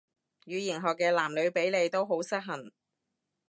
語言學嘅男女比例都好失衡